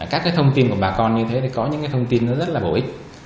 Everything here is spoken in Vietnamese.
các cái thông tin của bà con như thế thì có những cái thông tin rất là bổ ích